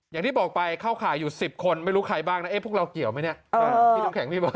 อย่างที่บอกไปเข้าข่ายอยู่๑๐คนไม่รู้ใครบ้างนะพวกเราเกี่ยวไหมเนี่ย